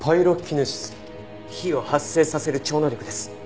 火を発生させる超能力です。